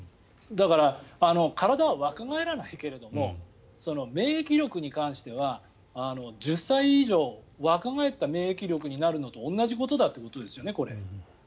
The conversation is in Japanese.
だから体は若返らないけれども免疫力に関しては１０歳以上若返った免疫力になるのと同じことだということですよね。